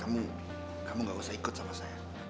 kamu kamu gak usah ikut sama saya